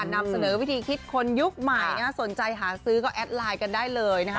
นำเสนอวิธีคิดคนยุคใหม่สนใจหาซื้อก็แอดไลน์กันได้เลยนะคะ